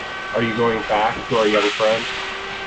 Are you going back to our young friend?